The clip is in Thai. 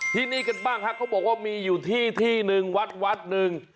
ที่นี่กันบ้างฮะเค้าบอกว่ามีอยู่ที่หนึ่งวัดหนึ่ง